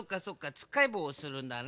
つっかえぼうをするんだね。